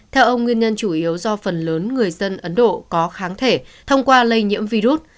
theo ông nguyên nhân chủ yếu do phần lớn người dân ấn độ có kháng thể thông qua lây nhiễm virus